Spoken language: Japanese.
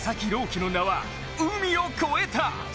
希の名は海を越えた。